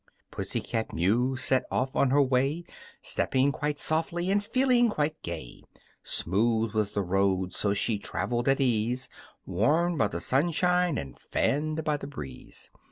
_" PUSSY CAT MEW set off on her way, Stepping quite softly and feeling quite gay. Smooth was the road, so she traveled at ease, Warmed by the sunshine and fanned by the breeze.